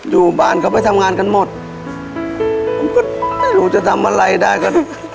อยู่บ้านเขาไปทำงานกันหมดผมก็ไม่รู้จะทำอะไรได้กัน